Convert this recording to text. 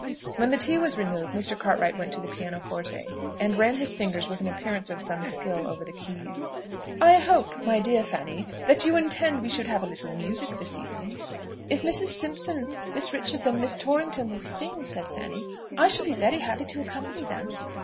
When the tea was removed, Mr. Cartwright went to the piano forte, and run his fingers with an appearance of some skill over the keys. "I hope, my dear Miss Fanny, that you intend we should have a little music this evening?" "If Mrs. Simpson, Miss Richards, and Miss Torrington will sing," said Fanny, "I shall be very happy to accompany them."